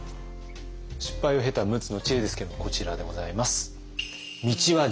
失敗を経た陸奥の知恵ですけどもこちらでございます。